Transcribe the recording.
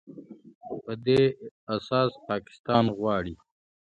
په دې اساس پاکستان غواړي